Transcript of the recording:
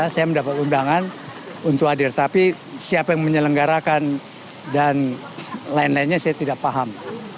saya mendapat undangan untuk hadir tapi siapa yang menyelenggarakan dan lain lainnya saya tidak paham